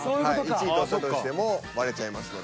１位取ったとしても割れちゃいますので。